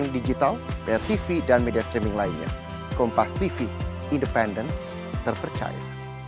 digital tv dan media streaming lainnya kompas tv independen terpercaya